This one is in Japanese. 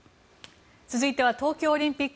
続いては東京オリンピック。